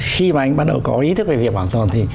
khi mà anh bắt đầu có ý thức về việc bảo tồn thì